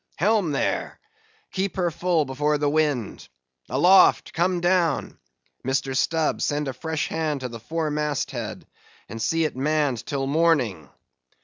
Helm there! keep her full before the wind!—Aloft! come down!—Mr. Stubb, send a fresh hand to the fore mast head, and see it manned till morning."